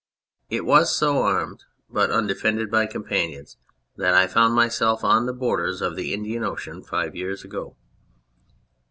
It was so armed but unde fended by companions that I found myself on the borders of the Indian Ocean five years ago